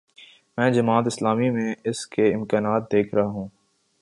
میں جماعت اسلامی میں اس کے امکانات دیکھ رہا ہوں۔